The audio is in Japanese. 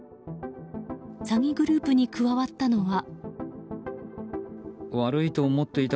詐欺グループに加わったのは。